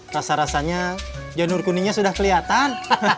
rasa rasanya janur kuningnya sudah kelihatan